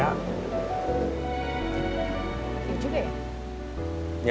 gak ada yang juga ya